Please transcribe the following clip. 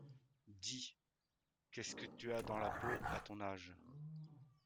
Dis? qu’est-ce que tu as dans la peau, à ton âge ?